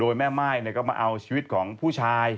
โดยแม่ม่ายก็มาเอาชีวิตของผู้ชาย